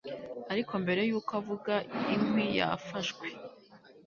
Ariko mbere yuko avuga inkwi yafashwe